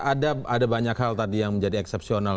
ada banyak hal tadi yang menjadi eksepsional